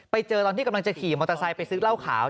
ไปเจอตอนที่กำลังจะขี่มอเตอร์ไซค์ไปซื้อเหล้าขาว